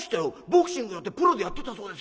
ボクシングやってプロでやってたそうですね。